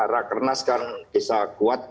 rakernas kan kisah kuat